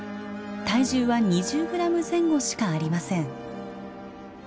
体重は２０グラム前後しかありません。